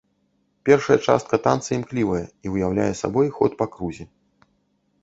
Першая частка танца імклівая і ўяўляе сабой ход па крузе.